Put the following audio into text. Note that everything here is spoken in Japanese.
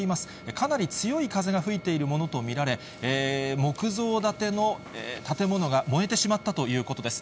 かなり強い風が吹いているものと見られ、木造建ての建物が燃えてしまったということです。